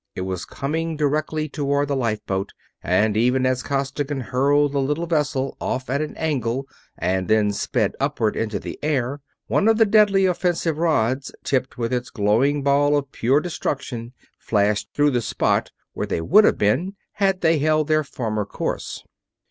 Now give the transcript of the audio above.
It was coming directly toward the lifeboat, and even as Costigan hurled the little vessel off at an angle and then sped upward into the air, one of the deadly offensive rods, tipped with its glowing ball of pure destruction, flashed through the spot where they would have been had they held their former course.